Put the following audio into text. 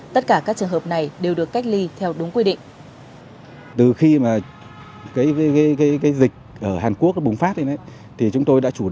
tất cả các trường hợp này đều được cách ly theo đúng quy định